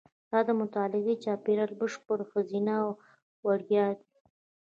دا د مطالعې چاپېریال بشپړ ښځینه او وړیا دی.